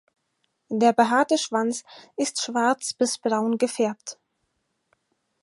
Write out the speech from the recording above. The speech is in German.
Der behaarte Schwanz ist schwarz bis braun gefärbt.